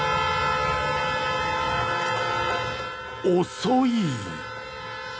遅い。